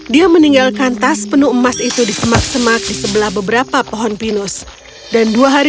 dia meninggalkan tas penuh emas itu di semak semak di sebelah beberapa pohon pinus dan dua hari